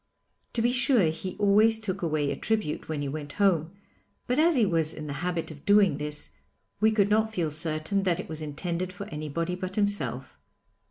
To be sure, he always took away a tribute when he went home, but as he was in the habit of doing this, we could not feel certain that it was intended for anybody but himself.